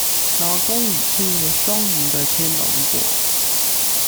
勞工與企業雙贏的天龍國